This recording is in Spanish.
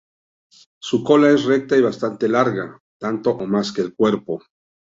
Su cola es recta y bastante larga, tanto o más que el cuerpo.